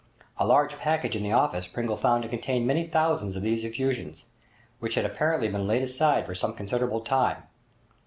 A large package in the office Pringle found to contain many thousands of these effusions, which had apparently been laid aside for some considerable time.